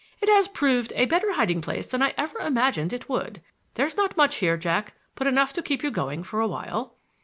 It has proved a better hiding place than I ever imagined it would. There's not much here, Jack, but enough to keep you going for a while."